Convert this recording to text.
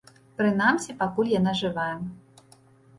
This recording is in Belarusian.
Прынамсі, пакуль яна жывая.